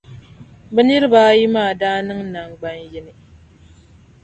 bɛ niriba ayi maa daa niŋ nangbani yini.